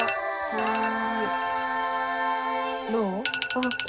はい。